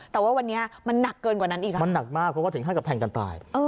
แต่ว่าวันนี้มันหนักเกินกว่านั้นอีกแล้วมันหนักมากเพราะว่าถึงขั้นกับแทงกันตาย